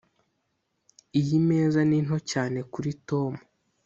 iyi meza ni nto cyane kuri tom.